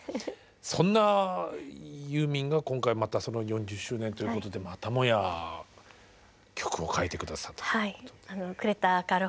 そんなユーミンが今回またその４０周年ということでまたもや曲を書いて下さったということで。